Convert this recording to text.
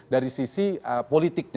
dari sisi politik